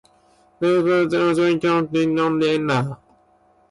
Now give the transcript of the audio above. This process was time-consuming and often inconvenient.